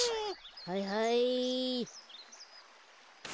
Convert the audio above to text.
はいはい。